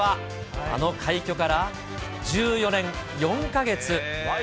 あの快挙から１４年４か月。